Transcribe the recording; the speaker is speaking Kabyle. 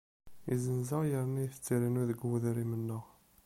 Izzenz-aɣ yerna itett irennu deg wedrim-nneɣ.